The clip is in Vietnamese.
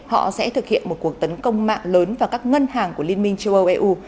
họ sẽ thực hiện một cuộc tấn công mạng lớn vào các ngân hàng của liên minh châu âu eu